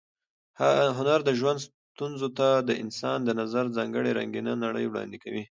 هنر د ژوند ستونزو ته د انسان د نظر ځانګړې رنګینه نړۍ وړاندې کوي.